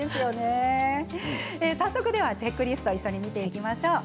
早速チェックリスト見ていきましょう。